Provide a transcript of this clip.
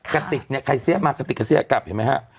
กะติกนี่ใครเสี้ยะมากะติกกะเสี้ยะกลับเห็นมั้ยฮะ